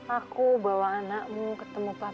aku bawa anakmu ketemu bapak e